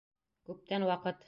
Күптән ваҡыт.